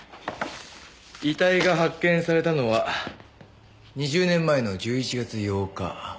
遺体が発見されたのは２０年前の１１月８日。